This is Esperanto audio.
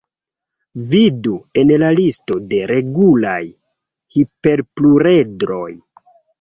Vidu en la listo de regulaj hiperpluredroj.